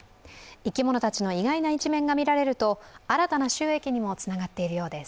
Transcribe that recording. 生き物たちの意外な一面が見られると新たな収益にもつながっているようです。